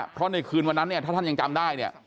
เพราะในคืนวันนั้นเนี่ยถ้าท่านยังจำได้เนี่ย